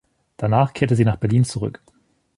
Danach kehrte sie nach Berlin zurück.